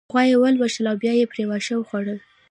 غوا يې ولوشله او بيا يې پرې واښه وخوړل